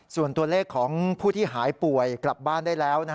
ส่วนตัวเลขของผู้ที่หายป่วยกลับบ้านได้แล้ว